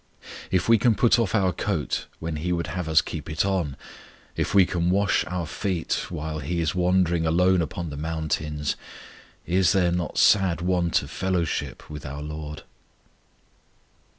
If we can put off our coat when He would have us keep it on; if we can wash our feet while He is wandering alone upon the mountains, is there not sad want of fellowship with our LORD?